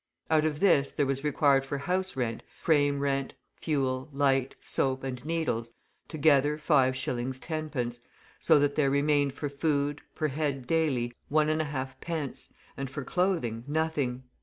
Out of this there was required for house rent, frame rent, fuel, light, soap, and needles, together 5s. 10d., so that there remained for food, per head daily, 1.5d., and for clothing nothing.